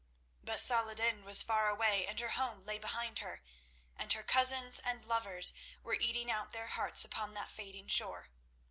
But Saladin was far away and her home lay behind her, and her cousins and lovers were eating out their hearts upon that fading shore.